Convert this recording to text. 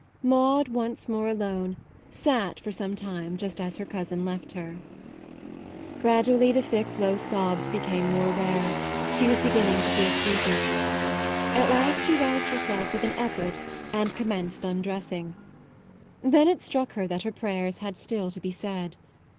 Maude, once more alone, sat for 76 MAUDE some time just as her cousin left her. Gradually the thick, low sobs be came more rare ; she was beginning to feel sleepy. At last she roused herself with an effort and com menced undressing ; then it struck her that her prayers had still to be said.